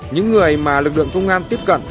những người mà lực lượng công an tiếp tục